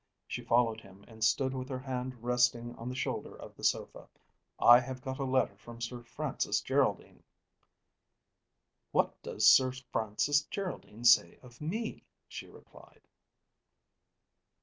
She followed him and stood with her hand resting on the shoulder of the sofa. "I have got a letter from Sir Francis Geraldine." "What does Sir Francis Geraldine say of me?" she replied.